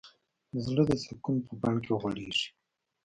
زړه د سکون په بڼ کې غوړېږي.